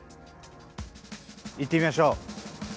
行ってみましょう。